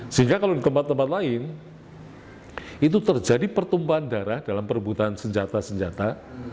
sehingga kalau di tempat tempat lain itu terjadi pertumbuhan darah dalam perebutan senjata senjata